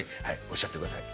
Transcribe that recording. おっしゃってください。